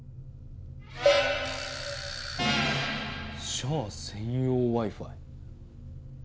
シャア専用Ｗｉ−Ｆｉ。